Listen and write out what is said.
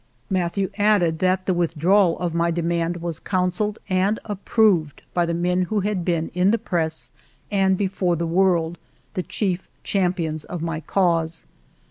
Mathieu added that the withdrawal of my demand was counselled and approved by the m.en who had been, in the press and before the world, the chief champions of my cause.